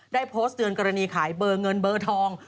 โพสต์เตือนกรณีขายเบอร์เงินเบอร์ทอง